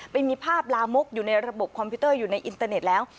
มีภาพลามกอยู่ในระบบคอมพิวเตอร์อยู่ในอินเตอร์เน็ตแล้ว